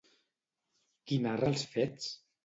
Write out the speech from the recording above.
Qui narra els fets?